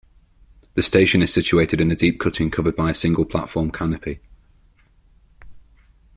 The station is situated in a deep cutting covered by a single platform canopy.